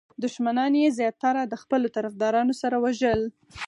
دښمنان یې زیاتره د خپلو طرفدارانو سره وژل.